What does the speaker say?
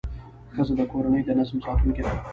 ښځه د کورنۍ د نظم ساتونکې ده.